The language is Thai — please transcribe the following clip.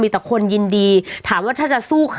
แต่คนยินดีถามว่าถ้าจะสู้